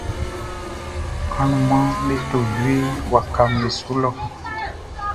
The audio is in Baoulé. Anumanʼm be to djue wakaʼm be su lɔ.